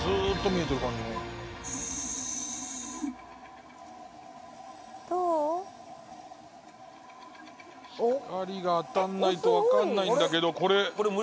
光が当たんないと分かんないんだけどこれ。